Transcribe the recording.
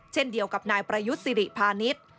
เช่นเดียวกับนายประยุทธ์สิริพาณิชย์